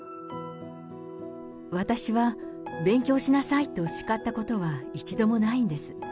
私は、勉強しなさいとしかったことは一度もないんです。